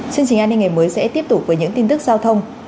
chương trình an ninh ngày mới sẽ tiếp tục với những tin tức giao thông